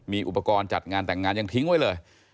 มีอุปกรณ์จัดงานแต่งงานยังทิ้งไว้เลย